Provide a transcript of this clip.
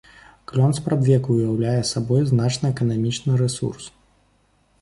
Клён спрадвеку ўяўляе сабой значны эканамічны рэсурс.